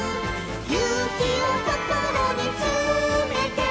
「ゆうきをこころにつめて」